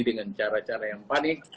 jadi dengan cara cara yang panik